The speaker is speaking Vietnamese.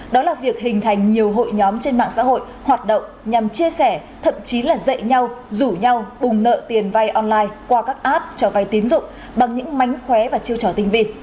đó là việc hình thành nhiều hội nhóm trên mạng xã hội hoạt động nhằm chia sẻ thậm chí là dạy nhau rủ nhau bùng nợ tiền vay online qua các app cho vay tín dụng bằng những mánh khóe và chiêu trò tinh vi